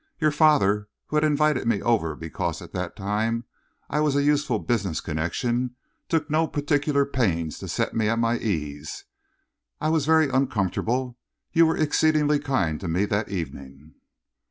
Your father, who had invited me over because at that time I was a useful business connection, took no particular pains to set me at my ease. I was very uncomfortable. You were exceedingly kind to me that evening."